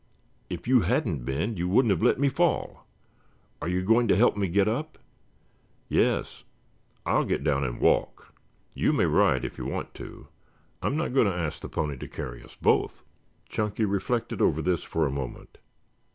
If you hadn't been, you wouldn't have let me fall. Are you going to help me get up?" "Yes. I will get down and walk. You may ride if you want to. I'm not going to ask the pony to carry us both." Chunky reflected over this for a moment.